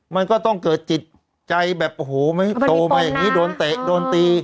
มันก็ต้องเกิดจิตใจแบบโอ้โหโตมาอย่างนี้โดนเตะโดนตี